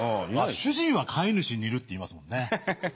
「主人は飼い主に似る」っていいますもんね。